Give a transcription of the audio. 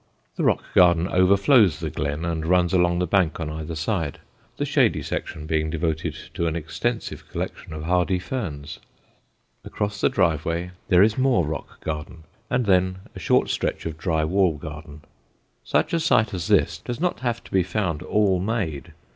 The rock garden overflows the glen and runs along the bank on either side, the shady section being devoted to an extensive collection of hardy ferns. Across the driveway there is more rock garden and then a short stretch of dry wall garden. Such a site as this does not have to be found all made.